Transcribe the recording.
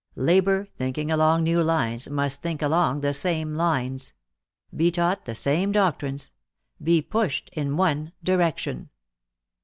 Labor, thinking along new lines, must think along the same lines. Be taught the same doctrines. Be pushed in one direction.